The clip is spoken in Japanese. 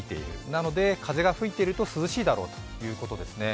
なので風が吹いているということは涼しいだろうということですね。